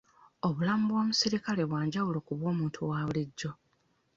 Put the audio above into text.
Obulamu bw'omusirikale bwa njawulo ku bw'omuntu wa bulijjo.